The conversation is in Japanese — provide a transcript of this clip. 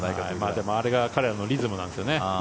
でも、あれが彼らのリズムなんですよね。